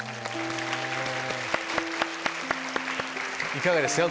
いかがでしたか？